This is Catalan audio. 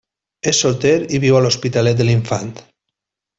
És solter i viu a l'Hospitalet de l'Infant.